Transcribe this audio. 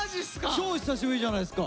超久しぶりじゃないですか。